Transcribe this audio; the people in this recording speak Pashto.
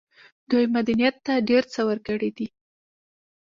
دوی مدنيت ته ډېر څه ورکړي دي.